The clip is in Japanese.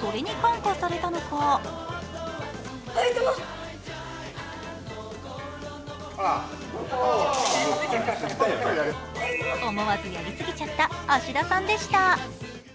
それに感化されたのか思わずやりすぎちゃった芦田さんでした。